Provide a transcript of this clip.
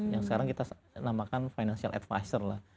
yang sekarang kita namakan financial advisor lah